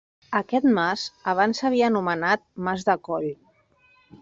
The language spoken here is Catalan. Aquest mas abans s'havia anomenat Mas de Coll.